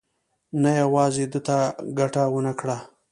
نه یوازې ده ته ګټه ونه کړه.